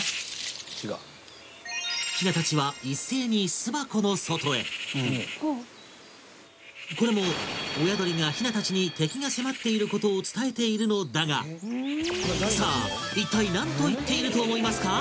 違うヒナたちは一斉に巣箱の外へこれも親鳥がヒナたちに敵が迫っていることを伝えているのだがさあ一体何と言っていると思いますか？